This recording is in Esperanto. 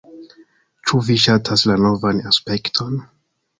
Ĉu vi ŝatas la novan aspekton?